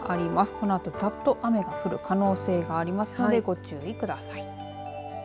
このあとざっと雨が降る可能性がありますのでご注意ください。